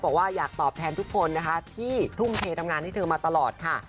บอกว่าอยากตอบแทนทุกคนนะคะที่ทุ่มเททำงานให้เธอมาตลอดค่ะ